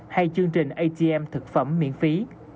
hay chương trình atm thực phẩm miễn phí